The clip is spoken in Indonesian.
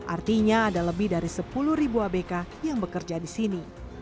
artinya ada lebih dari sepuluh abk yang bekerja di sini